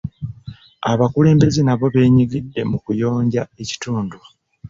Abakulembeze nabo beenyigidde mu kuyonja ekitundu.